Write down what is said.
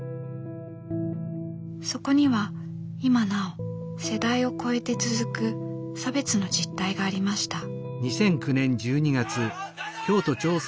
そこには今なお世代を超えて続く差別の実態がありました。